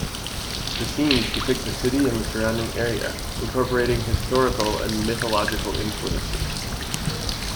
The scenes depict the city and the surrounding area, incorporating historical and mythological influences.